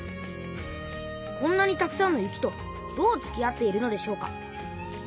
こんなにたくさんの雪とどうつきあっているのでしょうか？